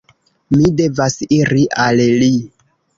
Mi devas iri al li!